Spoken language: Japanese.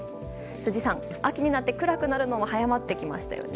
辻さん、秋になって暗くなるのも早まってきましたよね。